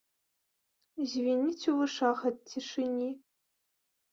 Звініць у вушах ад цішыні.